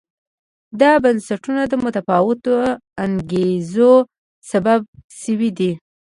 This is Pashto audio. دا بنسټونه د متفاوتو انګېزو سبب شوي دي.